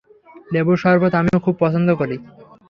লেবুর শরবত আমিও খুব পছন্দ করি।